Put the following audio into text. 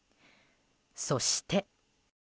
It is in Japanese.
そして。